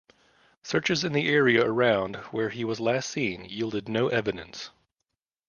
Searches in the area around where he was last seen yielded no evidence.